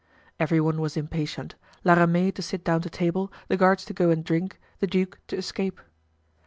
Every one was impatient, La Ramee to sit down to table, the guards to go and drink, the duke to escape.